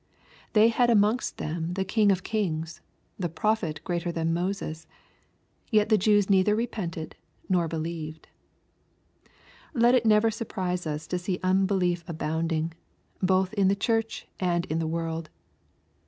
They had amongst them the King of kings, the Prophet greater than Moses. Yet the Jews neither repented nor believed I Let it never surprise us to see unbelief abounding, both in the church and in the world.